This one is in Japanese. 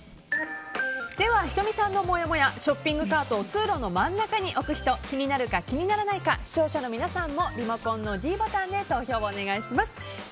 では仁美さんのもやもやショッピングカートを通路の真ん中に置く人気になるか、気にならないか視聴者の皆さんもリモコンのｄボタンで投票をお願いします。